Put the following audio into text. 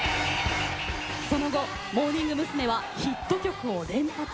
その後モーニング娘。はヒット曲を連発。